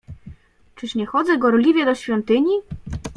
"Czyż nie chodzę gorliwie do świątyni?"